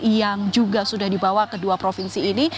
yang juga sudah dibawa ke dua provinsi ini